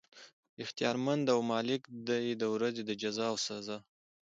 اختيار مند او مالک دی د ورځي د جزاء او سزاء